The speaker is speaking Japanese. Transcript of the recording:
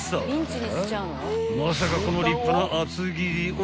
［まさかこの立派な厚切りを］